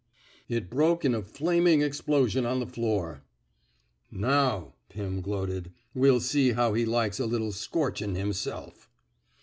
It broke in a flaming explosion on the floor. Now,'* Pim gloated, '* we'll see how he likes a little scorchin' himself.